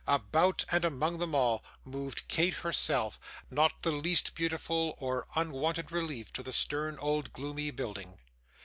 About and among them all, moved Kate herself, not the least beautiful or unwonted relief to the stern, old, gloomy building.